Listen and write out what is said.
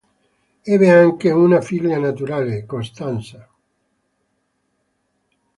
Ebbe anche una figlia naturale, Costanza.